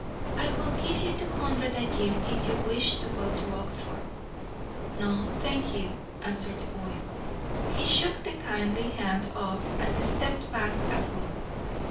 I will give you two hundred a year if you wish to go to Oxford." "No, thank you," answered the boy. He shook the kindly hand off and stepped back a foot.